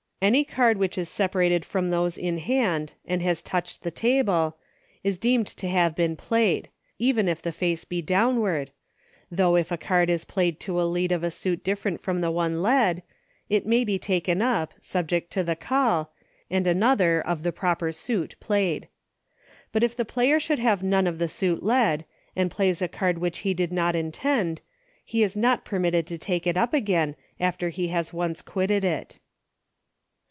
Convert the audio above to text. Any card which is separated from those in 96 EUCHKE. hand and has touched the table ; is deemed to have been played — even if the face be down ward — though if a card is played to a lead of a suit different from the one led, it may be taken up, subject to the call, and another of the proper suit played. But if the player should have none of the suit led, and plays a card which he did not intend, he is not permitted to take it up again after he has once quitted it.